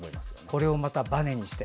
これをまた、ばねにして。